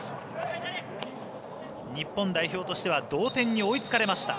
日本代表としては同点に追いつかれました。